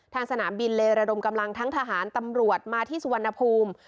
สนามบินเลยระดมกำลังทั้งทหารตำรวจมาที่สุวรรณภูมิ